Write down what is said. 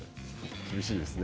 厳しいですね。